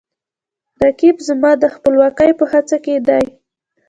رقیب زما د خپلواکۍ په هڅه کې دی